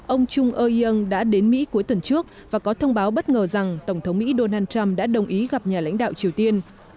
ông chung eung đã đến mỹ cuối tuần trước và có thông báo bất ngờ rằng tổng thống mỹ donald trump đã đồng ý gặp nhà lãnh đạo triều tiên